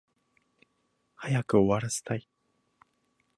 早く終わらせたい